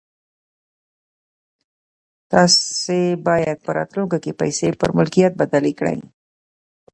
تاسې بايد په راتلونکي کې پيسې پر ملکيت بدلې کړئ.